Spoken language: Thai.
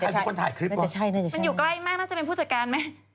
มันอยู่ใกล้มากน่าจะเป็นผู้จัดการไหม